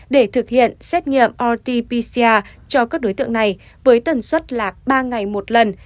để thực hiện xét nghiệm rt pcr cho các đối tượng này với tần suất là ba ngày một lần